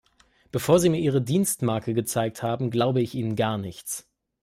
Bevor Sie mir Ihre Dienstmarke gezeigt haben, glaube ich Ihnen gar nichts.